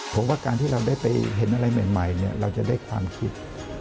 ผมว่าการที่เราได้ไปเห็นอะไรใหม่เราจะได้ความคิด